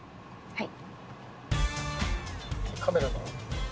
はい。